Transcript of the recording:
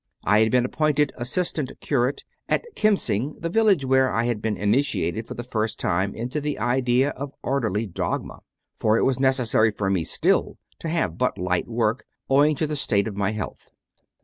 I had been appointed assistant curate at Kemsing, the village where I had been initiated for the first time into the idea of orderly dogma; for it was necessary for me still to have but light work, owing to the state of my health.